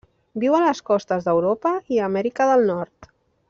Viu a les costes d'Europa i Amèrica del Nord.